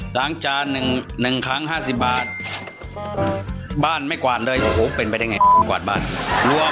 หลังจาน๑ครั้ง๕๐บาทบ้านไม่กว่านเลยโอ้โหเป็นไปได้ไงกว่าบ้านร่วม๖๐๐